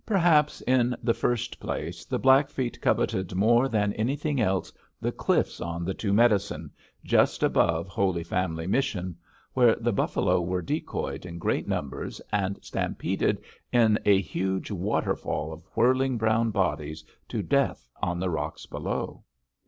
Perhaps, in the first place, the Blackfeet coveted more than anything else the cliffs on the Two Medicine, just above Holy Family Mission, where the buffalo were decoyed in great numbers and stampeded in a huge waterfall of whirling brown bodies to death on the rocks below.